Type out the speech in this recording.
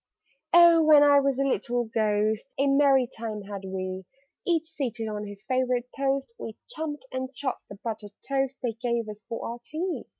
"Oh, when I was a little Ghost, A merry time had we! Each seated on his favourite post, We chumped and chawed the buttered toast They gave us for our tea."